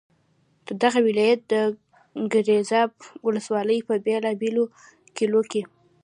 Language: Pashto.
د دغه ولایت د ګیزاب ولسوالۍ په بېلا بېلو کلیو کې.